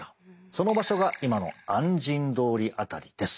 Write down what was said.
その場所が今の按針通り辺りです。